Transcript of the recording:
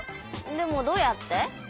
でもどうやって？